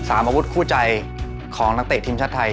อาวุธคู่ใจของนักเตะทีมชาติไทย